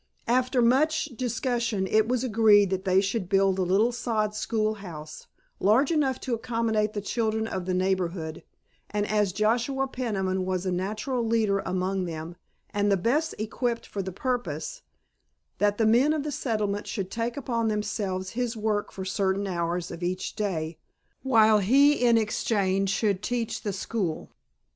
After much discussion it was agreed that they should build a little sod schoolhouse, large enough to accommodate the children of the neighborhood, and as Joshua Peniman was a natural leader among them and the best equipped for the purpose, that the men of the settlement should take upon themselves his work for certain hours of each day, while he in exchange should teach the school.